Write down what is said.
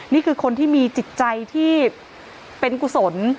นี่คือคนที่มีจิตใจที่เป็นกุศล